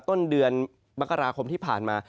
ต้นเดือนมกราคมที่ผ่านมา